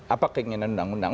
apa keinginan undang undang